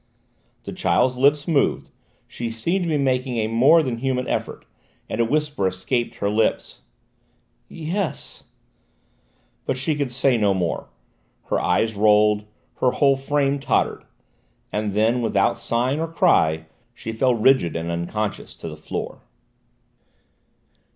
The child's lips moved: she seemed to be making a more than human effort, and a whisper escaped her lips: "Yes " But she could say no more: her eyes rolled, her whole frame tottered, and then, without sign or cry, she fell rigid and unconscious to the floor.